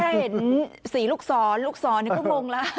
แค่เห็นสีลูกศรลูกศรก็งงแล้ว